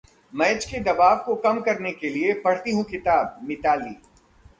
match के दबाव को कम करने के लिए पढ़ती हूं किताब: मिताली